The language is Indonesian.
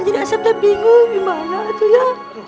jadi asep tee bingung gimana itu ya